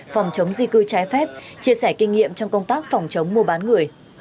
phòng chống di cư trái phép chia sẻ kinh nghiệm trong công tác phòng chống mua bán người